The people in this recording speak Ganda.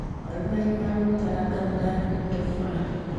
Oluvannyuma lw’okutalaaga Buganda mu Ttoffaali.